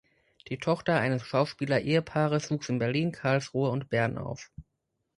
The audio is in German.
Die Tochter eines Schauspielerehepaares wuchs in Berlin, Karlsruhe und Bern auf.